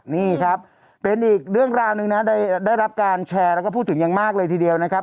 นี่ครับเป็นอีกเรื่องราวหนึ่งนะได้รับการแชร์แล้วก็พูดถึงอย่างมากเลยทีเดียวนะครับ